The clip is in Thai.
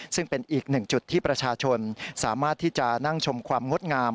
ซึ่งเป็นอีกหนึ่งจุดที่ประชาชนสามารถที่จะนั่งชมความงดงาม